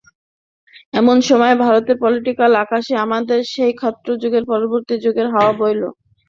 এমন সময়ে ভারতের পোলিটিক্যাল আকাশে আমাদের সেই ক্ষাত্রযুগের পরবর্তী যুগের হাওয়া বইল।